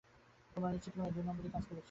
তোমরা নিশ্চিত কোনো দুনম্বরী কাজ করছ।